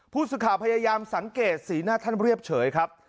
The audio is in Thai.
ผู้สื่อข่าวพยายามสังเกตสีหน้าท่านเรียบเฉยครับ